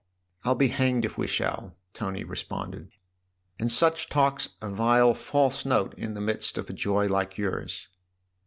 " I'll be hanged if we shall !" Tony responded. "And such talk's a vile false note in the midst of a joy like yours."